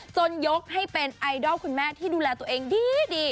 ยกให้เป็นไอดอลคุณแม่ที่ดูแลตัวเองดี